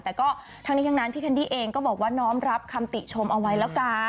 แต่ก็ทั้งนี้ทั้งนั้นพี่แคนดี้เองก็บอกว่าน้อมรับคำติชมเอาไว้แล้วกัน